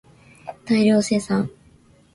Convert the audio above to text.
大量生産